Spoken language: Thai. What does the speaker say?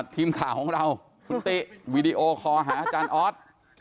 ทีมข่าวของเราคุณติวีดีโอคอหาอาจารย์ออส